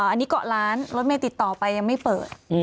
อันนี้เกาะร้านรถเมย์ติดต่อไปยังไม่เปิด